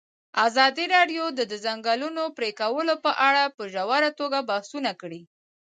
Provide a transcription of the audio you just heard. ازادي راډیو د د ځنګلونو پرېکول په اړه په ژوره توګه بحثونه کړي.